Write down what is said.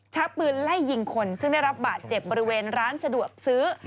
ปืนไล่ยิงคนซึ่งได้รับบาดเจ็บบริเวณร้านสะดวกซื้อ